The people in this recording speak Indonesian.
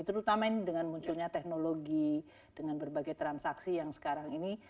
terutama ini dengan munculnya teknologi dengan berbagai transaksi yang sekarang ini